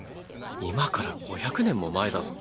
今から５００年も前だぞ。